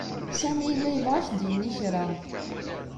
Sami yella yebɣa ad ak-d-yini kra.